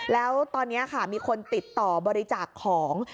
แล้วตอนนี้ค่ะมีคนติดต่อบริจาคของ